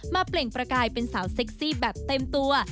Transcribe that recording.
เปล่งประกายเป็นสาวเซ็กซี่แบบเต็มตัว